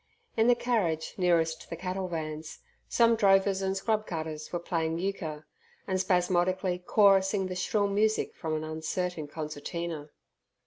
In the carriage nearest the cattle vans, some drovers and scrub cutters were playing euchre, and spasmodically chorusing the shrill music from an uncertain concertina.